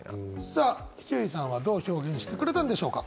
さあひゅーいさんはどう表現してくれたんでしょうか？